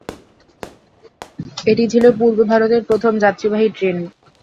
এটিই ছিল পূর্ব ভারতের প্রথম যাত্রীবাহী ট্রেন।